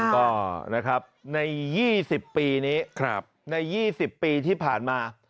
ก็นะครับใน๒๐ปีนี้ใน๒๐ปีที่ผ่านมา